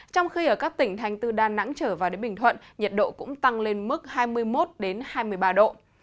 trong khi ở các tỉnh thành từ đà nẵng trở vào đến bình thuận nhiệt độ cũng tăng lên mức hai mươi một hai mươi ba độ